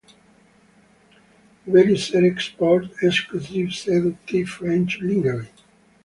Valisere exports exclusive, seductive French lingerie.